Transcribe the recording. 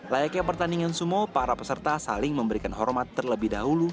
layaknya pertandingan sumo para peserta saling memberikan hormat terlebih dahulu